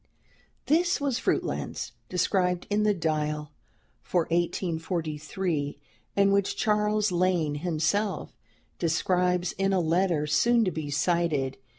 This was "Fruitlands," described in the "Dial" for 1843, and which Charles Lane himself describes in a letter soon to be cited.